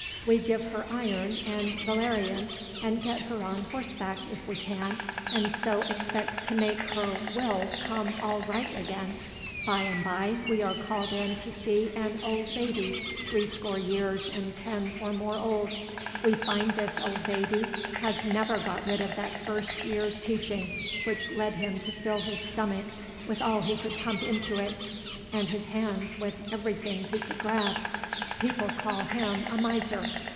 We give her iron and valerian, and get her on horseback, if we can, and so expect to make her will come all right again. By and by we are called in to see an old baby, threescore years and ten or more old. We find this old baby has never got rid of that first year's teaching which led him to fill his stomach with all he could pump into it, and his hands with everything he could grab. People call him a miser.